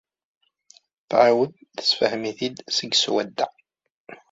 Tɛawed tessefhem-t-id seg swadda.